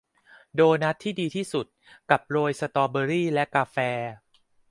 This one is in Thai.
โดนัทที่ดีที่สุดกับโรยสตรอเบอร์รี่และกาแฟ